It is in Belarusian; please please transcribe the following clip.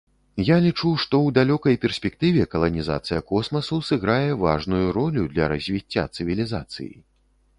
Я лічу, што ў далёкай перспектыве каланізацыя космасу сыграе важную ролю для развіцця цывілізацыі.